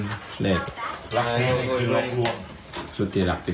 สุขผิดหลับหรือหลักเพลิน